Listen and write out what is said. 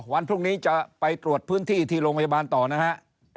วันพรุ่งนี้จะไปตรวจพื้นที่ที่โรงพยาบาลต่อนะฮะ